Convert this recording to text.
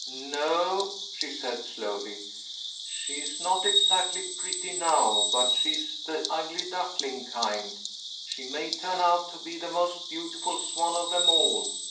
"No," she said, slowly. "She is not exactly pretty now, but she's the ugly duckling kind. She may turn out to be the most beautiful swan of them all.